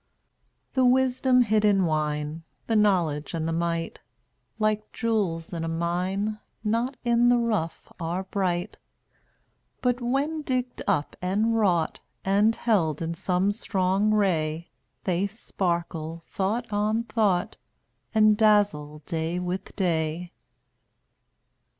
198 The wisdom hid in wine, The knowledge and the might, Like jewels in a mine Not in the rough are bright, But when digged up and wrought And held in some strong ray They sparkle, thought on thought, And dazzle day with day.